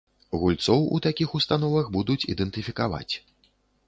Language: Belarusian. Гульцоў у такіх установах будуць ідэнтыфікаваць.